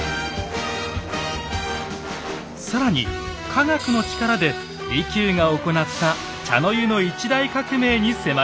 更に科学の力で利休が行った茶の湯の一大革命に迫ります。